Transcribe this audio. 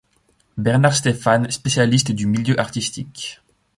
Bernard Stéphane, spécialiste du milieu artistique.